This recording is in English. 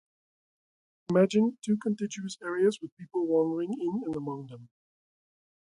Imagine two contiguous areas with people wandering in and among them.